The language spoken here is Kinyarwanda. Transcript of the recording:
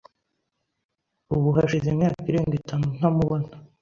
Ubu hashize imyaka irenga itanu ntamubona.